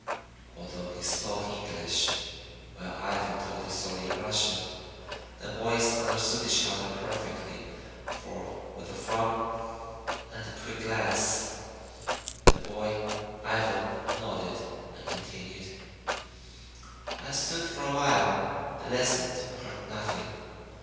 Although he spoke English, while Ivan told his story in Russian, the boys understood each other perfectly for with a frown and quick glance, the boy Ivan nodded and continued. "I stood for a while and listened but heard nothing.